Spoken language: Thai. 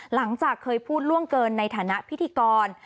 หลังจากเคยพูดล่วงเกินในฐานะพิธีกร